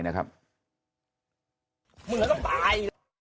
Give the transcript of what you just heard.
มึงคงต้องตาย